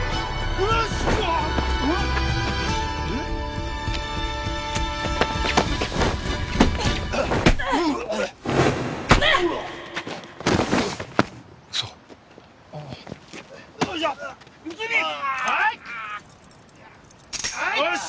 よし！